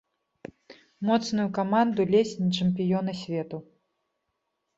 Моцную каманду, ледзь не чэмпіёна свету.